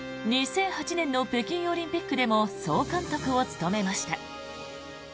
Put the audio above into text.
２００８年の北京オリンピックでも総監督を務めました。